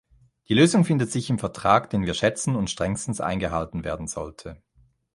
Die Lösung findet sich im Vertrag, den wir schätzen und strengstens eingehalten werden sollte.